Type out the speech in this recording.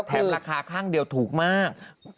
แถมราคาข้างเดียวถูกมาก๑๙๐๐